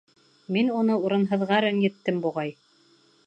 Мин уны урынһыҙға рәнйеттем, буғай.